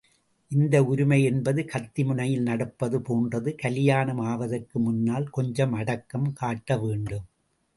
இந்த உரிமை என்பது கத்தி முனையில் நடப்பது போன்றது கலியாணம் ஆவதற்கு முன்னால் கொஞ்சம் அடக்கம் காட்டவேண்டும்.